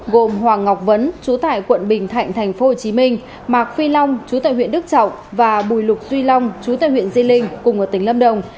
gồm hoàng ngọc vấn chú tại quận bình thạnh tp hcm mạc phi long chú tại huyện đức trọng và bùi lục duy long chú tại huyện di linh cùng ở tỉnh lâm đồng